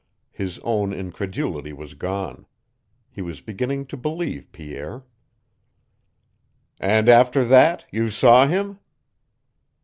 His own incredulity was gone. He was beginning to believe Pierre. "And after that you saw him?"